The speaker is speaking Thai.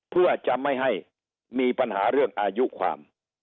เพื่อจะไม่ให้มีปัญหาเรื่องอายุความ